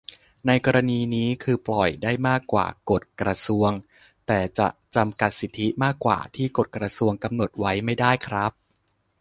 ในกรณีนี้คือปล่อยได้มากกว่ากฎกระทรวง แต่จะจำกัดสิทธิมากกว่าที่กฎกระทรวงกำหนดไม่ได้ครับ